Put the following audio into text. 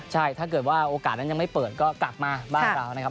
ใช่ถ้าเกิดว่าโอกาสนั้นยังไม่เปิดก็กลับมาบ้านเรานะครับ